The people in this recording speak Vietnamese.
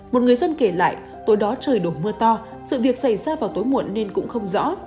một người dân kể lại tối đó trời đổ mưa to sự việc xảy ra vào tối muộn nên cũng không rõ